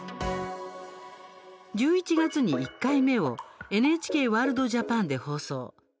１１月に１回目をＮＨＫワールドＪＡＰＡＮで放送。